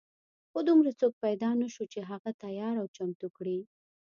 خو دومره څوک پیدا نه شو چې هغه تیار او چمتو کړي.